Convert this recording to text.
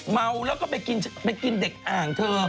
เมาแล้วก็ไปกินไปกินเด็กอ่างเธอ